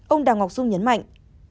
ông đào ngọc dung nhấn mạnh